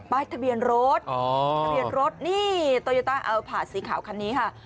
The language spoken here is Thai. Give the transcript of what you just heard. ป้ายทะเบียนรถอ๋อทะเบียนรถนี่โตยุตาเอาผ่าสีขาวคันนี้ค่ะ